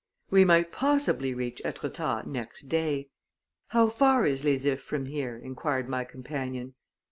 We might possibly reach Etretat next day. "How far is Les Ifs from here?" inquired my companion.